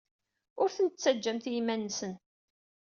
Ur ten-ttajjamt i yiman-nsen.